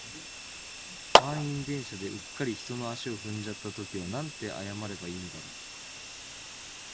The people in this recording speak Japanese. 満員電車で、うっかり人の足を踏んじゃった時はなんて謝ればいいんだろう。